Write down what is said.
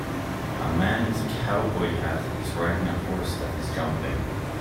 A man with a cowboy hat is riding a horse that is jumping.